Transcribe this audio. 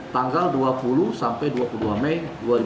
tanggal dua puluh sampai dua puluh dua mei dua ribu dua puluh